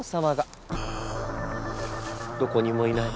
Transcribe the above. どこにもいない。